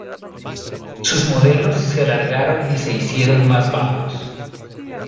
Sus modelos se alargaron y se hicieron más bajos.